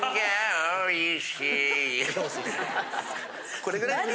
これぐらいで。